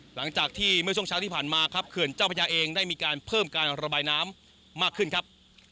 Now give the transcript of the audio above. หลังจากที่เมื่อช่วงเช้าที่ผ่านมาครับเขื่อนเจ้าพระยาเองได้มีการเพิ่มการระบายน้ำมากขึ้นครับ